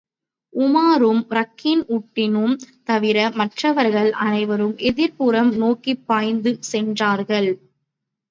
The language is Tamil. உமாரும் ரக்கின் உட்டினும் தவிர மற்றவர்கள் அனைவரும் எதிர்ப்புறம் நோக்கிப்பாய்ந்து சென்றார்கள்.